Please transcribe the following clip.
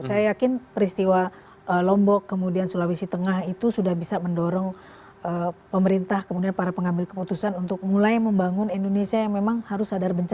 saya yakin peristiwa lombok kemudian sulawesi tengah itu sudah bisa mendorong pemerintah kemudian para pengambil keputusan untuk mulai membangun indonesia yang memang harus sadar bencana